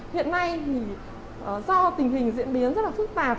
hiện nay thì do tình hình diễn biến rất là phức tạp